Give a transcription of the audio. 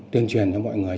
tương truyền cho mọi người